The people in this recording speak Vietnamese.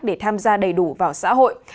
để tham gia đầy đủ vào xã hội